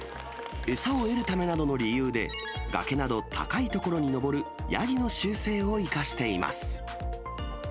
餌を得るためなどの理由で、崖など高い所に上るヤギの習性を生かしています。